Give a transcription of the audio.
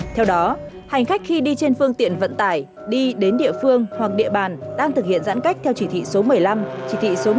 theo đó hành khách khi đi trên phương tiện vận tải đi đến địa phương hoặc địa bàn đang thực hiện giãn cách theo chỉ thị số một mươi năm chỉ thị số một mươi ba